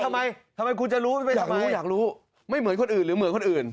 ทำไมทำไมคุณจะรู้ทำไมอยากรู้อยากรู้ไม่เหมือนคนอื่นหรือเหมือนคนอื่น